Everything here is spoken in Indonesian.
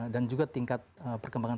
dan juga tingkat perkembangan